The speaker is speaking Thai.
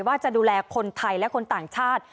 ว่าจะดูแลคนไทยและคนต่างชาติ